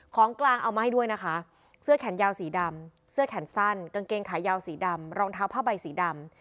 ของกลางเอามาให้ด้วยนะคะเสื้อแขนยาวสีดำเสื้อแขนสั้นกางเกงขายาวสีดำรองเท้าผ้าใบสีดำ